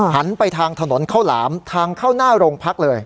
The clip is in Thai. หันไปทางถนนข้าวหลามทางเข้าหน้าโรงพักเลย